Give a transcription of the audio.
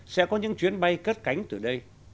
sẽ có những chuyến bay cất cánh từ đây